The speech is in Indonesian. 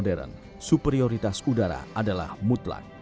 sebagai penghasilkor tahan madu